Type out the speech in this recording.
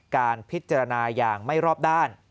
การพิจารณาอย่างไม่รอบด้าน